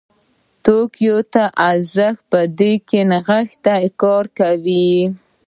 توکو ته ارزښت په دوی کې نغښتی کار ورکوي.